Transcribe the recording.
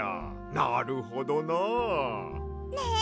なるほどな。ね！